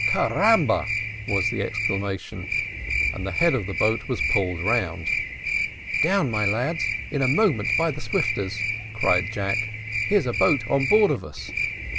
"Carambo!" was the exclamation and the head of the boat was pulled round. "Down, my lads, in a moment by the swifters," cried Jack. "Here's a boat on board of us."